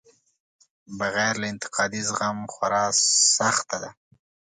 بغیر له انتقادي زغم خورا سخته ده.